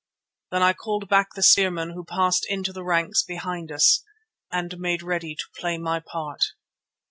Then I called back the spearmen who passed into the ranks behind us, and made ready to play my part.